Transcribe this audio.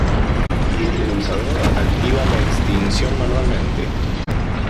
Este pulsador activa la extinción manualmente.